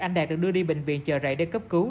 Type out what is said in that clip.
anh đạt được đưa đi bệnh viện chờ rầy để cấp cứu